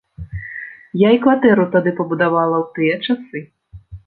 Я і кватэру тады пабудавала ў тыя часы.